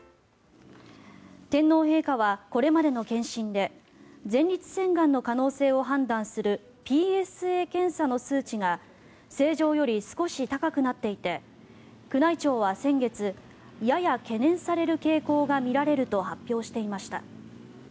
天皇陛下はこれまでの検診で前立腺がんの可能性を判断するＰＳＡ検査の数値が正常より少し高くなっていて宮内庁は先月やや懸念される傾向が見られると発表していました。